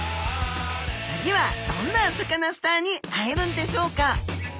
次はどんなサカナスターに会えるんでしょうか？